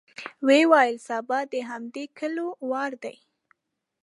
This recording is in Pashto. ويې ويل: سبا د همدې کليو وار دی.